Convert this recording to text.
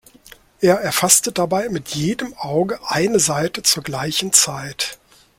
Er erfasste dabei mit jedem Auge eine Seite zur gleichen Zeit.